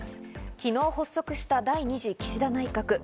昨日発足した第２次岸田内閣。